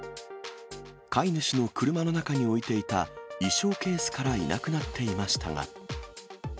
飼い主の車の中に置いていた衣装ケースからいなくなっていましたが。